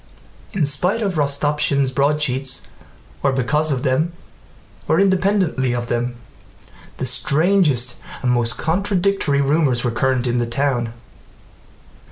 In spite of Rostopchín's broadsheets, or because of them or independently of them, the strangest and most contradictory rumors were current in the town.